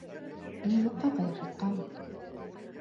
Һине юҡҡа ҡыйырһытҡанмын.